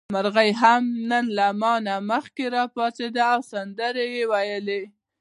مرغۍ نن هم له ما نه مخکې راپاڅي او سندرې وايي.